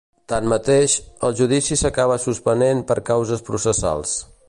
Tanmateix, el judici s’acaba suspenent per causes processals.